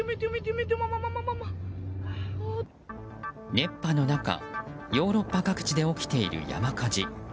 熱波の中、ヨーロッパ各地で起きている山火事。